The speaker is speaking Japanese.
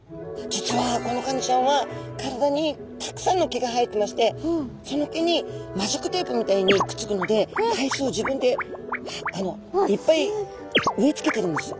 実はこのカニちゃんは体にたくさんの毛が生えてましてその毛にマジックテープみたいにくっつくので海藻を自分でいっぱい植え付けてるんです。